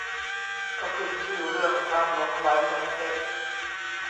ก็ขึ้นชื่อเรื่องความหลงใหลในเซ็กส์